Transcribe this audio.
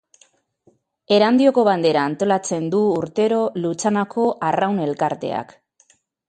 Erandioko Bandera antolatzen du urtero Lutxanako Arraun Elkarteak.